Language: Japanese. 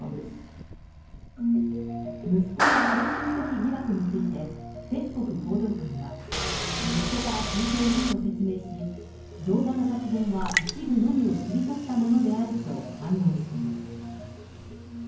息子の招集拒否疑惑について、ペスコフ報道官は、息子から聞いていると説明し、動画の発言は一部のみを切り取ったものであると反論している。